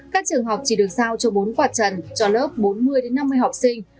các trường học chỉ được giao cho bốn quạt trần cho lớp bốn mươi năm mươi học sinh